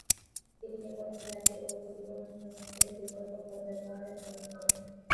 তিনি এ পথের যাত্রী ও পরিবহনশ্রমিকদের বিকল্প পথ ব্যবহারের অনুরোধ করেন।